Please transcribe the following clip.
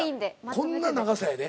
こんな長さやで。